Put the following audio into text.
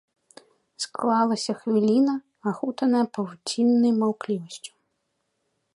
Склалася хвіліна, ахутаная павуціннай маўклівасцю.